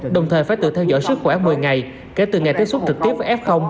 đồng thời phải tự theo dõi sức khỏe một mươi ngày kể từ ngày tiếp xúc trực tiếp với f